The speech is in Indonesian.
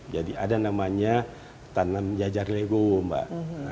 jadi ada namanya tanam jajar lego mbak